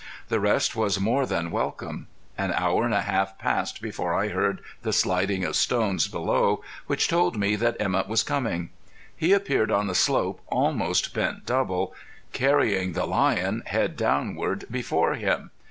The rest was more than welcome. An hour and a half passed before I heard the sliding of stones below, which told me that Emett was coming. He appeared on the slope almost bent double, carrying the lion, head downward, before him.